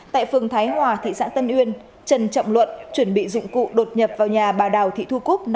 tại phường thái hòa thị xã tân uyên trần trọng luận chuẩn bị dụng cụ đột nhập vào nhà bà đào thị thu cúc